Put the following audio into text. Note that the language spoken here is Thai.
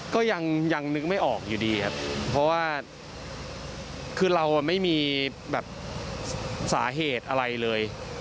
ก็ยังนึกไม่ออกอยู่ดีครับเพราะว่าคือเราไม่มีแบบสาเหตุอะไรเลย